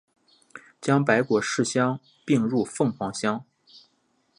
将白果市乡并入凤凰乡。